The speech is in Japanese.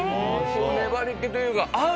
粘り気というか、合う。